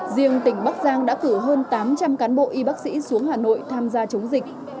riêng tỉnh bắc giang đã cử hơn tám trăm linh cán bộ y bác sĩ xuống hà nội tham gia chống dịch